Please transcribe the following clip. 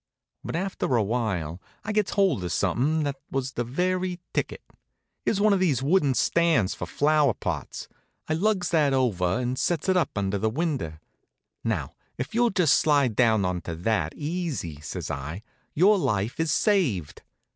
But after awhile I gets hold of something that was the very ticket. It was one of these wooden stands for flower pots. I lugs that over and sets it up under the window. "Now if you'll just slide down onto that easy," says I, "your life is saved."